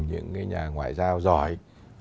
những nhà ngoại giao giỏi